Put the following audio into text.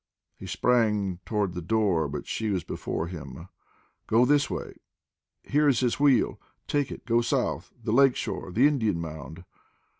He sprang toward the door, but she was before him. "Go this way. Here is his wheel. Take it. Go south the lake shore the Indian Mound."